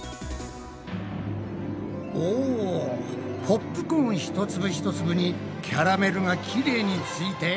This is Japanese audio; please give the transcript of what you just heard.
おポップコーン一粒一粒にキャラメルがきれいについて。